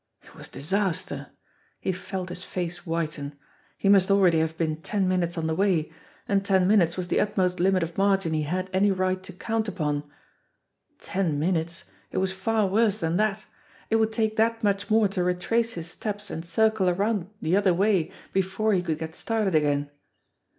It was disaster ! He felt his face whiten. He must already have been ten minutes on the way and ten minutes was the utmost limit of margin he had any right to count upon. Ten minutes! It was far worse than that! It would take 246 THE BLACK BOX 247 that much more to retrace his steps and circle around the other way before he could get started again.